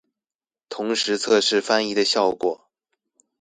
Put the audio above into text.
同時測試翻譯的效果